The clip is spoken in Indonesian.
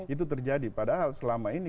itu terjadi padahal selama ini